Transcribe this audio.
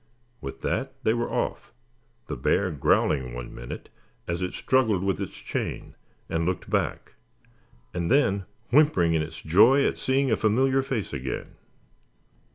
With that they were off, the bear growling one minute, as it struggled with its chain, and looked back; and then whimpering in its joy at seeing a familiar face again.